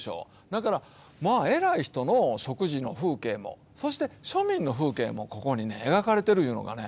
だから、偉い人の食事の風景もそして、庶民の風景もここに描かれてるいうのがね